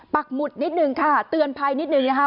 ปักหมุดนิดนึงค่ะเตือนภัยนิดนึงนะคะ